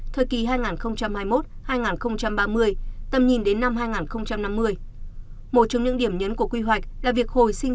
thời kỳ hai nghìn hai mươi một hai nghìn ba mươi tầm nhìn đến năm hai nghìn năm mươi một trong những điểm nhấn của quy hoạch là việc hồi sinh